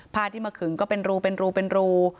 ผ้าที่มาขึงก็เป็นรูเป็นรูเป็นรู